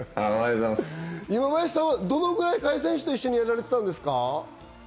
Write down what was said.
今林さん、どれくらい萱選手と一緒にやられてたんですか？